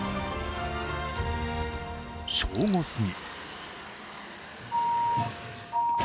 正午すぎ。